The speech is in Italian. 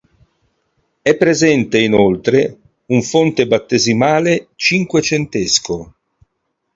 È presente inoltre un fonte battesimale cinquecentesco.